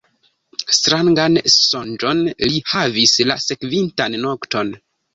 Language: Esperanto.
Strangan sonĝon li havis la sekvintan nokton.